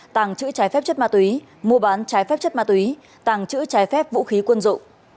tàng trữ trái phép chất ma túy mua bán trái phép chất ma túy tàng trữ trái phép vũ khí quân dụng